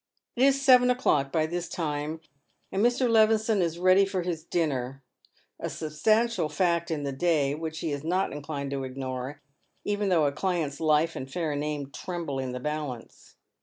It is seven o'clock by this time, and Mr. Levison is ready for his dinner, a substantial fact in the day which he is not inclined to ignore, even though a client's life and fair name tremble in the balance.